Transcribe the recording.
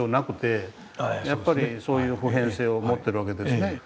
やっぱりそういう普遍性を持ってるわけですね。